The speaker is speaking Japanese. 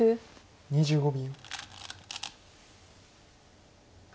２５秒。